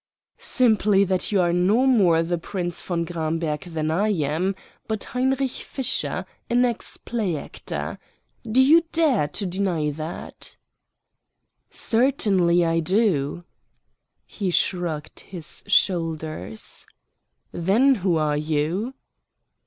"Simply that you are no more the Prince von Gramberg than I am, but Heinrich Fischer, an ex play actor. Do you dare to deny that?" "Certainly I do." He shrugged his shoulders. "Then who are you?"